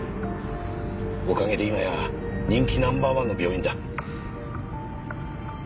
おかげで今や人気ナンバーワンの病院だ。